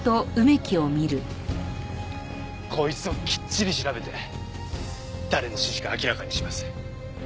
こいつをきっちり調べて誰の指示か明らかにします。